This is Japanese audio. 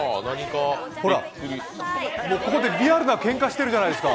ほら、ここでリアルなけんかしてるじゃないですか。